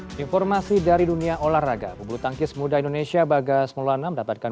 hai informasi dari dunia olahraga pembuluh tangkis muda indonesia bagas melana mendapatkan